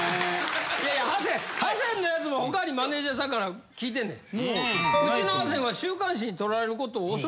いやいやハセンハセンのやつも他にマネジャーさんから聞いてんねん。